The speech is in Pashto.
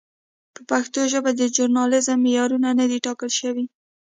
په پښتو ژبه د ژورنالېزم معیارونه نه دي ټاکل شوي.